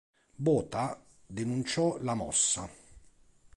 Botha denunciò la mossa.